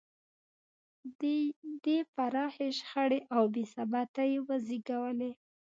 دې پراخې شخړې او بې ثباتۍ وزېږولې.